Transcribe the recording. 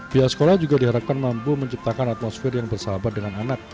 pihak sekolah juga diharapkan mampu menciptakan atmosfer yang bersahabat dengan anak